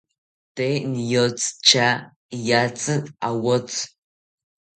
Tee niyotzi tya iyatzi awotzi